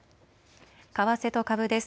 為替と株です。